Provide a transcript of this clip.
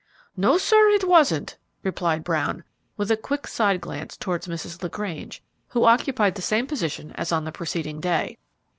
"No, sir; it wasn't," replied Brown, with a quick side glance towards Mrs. LaGrange, who occupied the same position as on the preceding day.